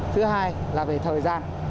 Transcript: thứ hai là về thời gian